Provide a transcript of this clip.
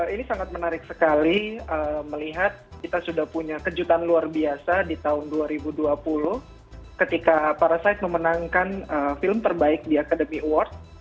ini sangat menarik sekali melihat kita sudah punya kejutan luar biasa di tahun dua ribu dua puluh ketika parasite memenangkan film terbaik di academy award